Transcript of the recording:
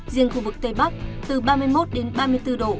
riêng khu vực tây bắc từ ba mươi một đến ba mươi bốn độ